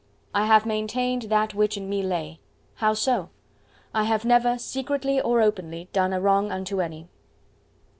"I have maintained that which in me lay!" "How so?" "I have never, secretly or openly, done a wrong unto any."